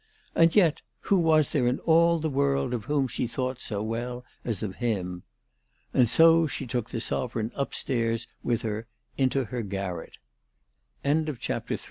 And yet, who was there in all the world of whom she thought so well as of him ? And so she took the sovereign upstairs with her into her gar